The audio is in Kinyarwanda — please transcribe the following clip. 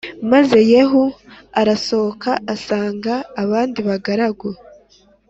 Maze Yehu arasohoka asanga abandi bagaragu